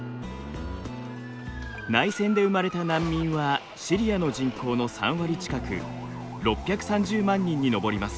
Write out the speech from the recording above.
内戦で生まれた難民はシリアの人口の３割近く６３０万人に上ります。